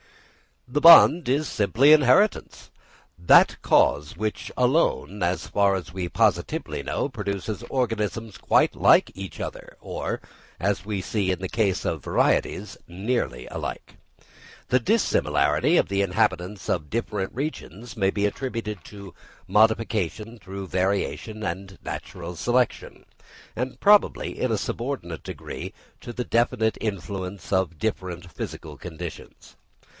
The bond is simply inheritance, that cause which alone, as far as we positively know, produces organisms quite like each other, or, as we see in the case of varieties, nearly alike. The dissimilarity of the inhabitants of different regions may be attributed to modification through variation and natural selection, and probably in a subordinate degree to the definite influence of different physical conditions.